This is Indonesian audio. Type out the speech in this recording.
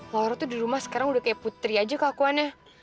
laura tuh di rumah sekarang udah kayak putri aja keakuannya